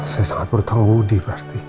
saya sangat bertanggung wudi berarti